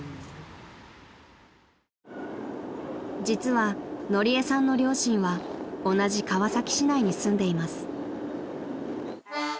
［実はのりえさんの両親は同じ川崎市内に住んでいます］